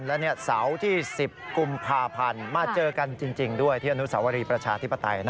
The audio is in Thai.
และเสาร์ที่๑๐กุมภาพันธ์มาเจอกันจริงด้วยที่อนุสาวรีประชาธิปไตย